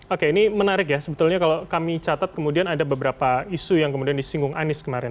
oke ini menarik ya sebetulnya kalau kami catat kemudian ada beberapa isu yang kemudian disinggung anies kemarin